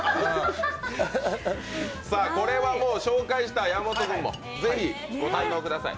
これはもう、紹介した山本君もぜひご堪能ください。